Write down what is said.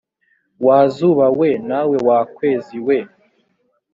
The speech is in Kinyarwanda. wa zuba we nawe wa kwezi